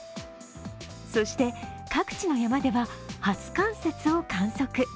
そして各地の山では初冠雪を観測。